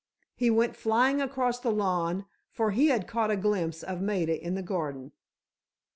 He went flying across the lawn, for he had caught a glimpse of Maida in the garden.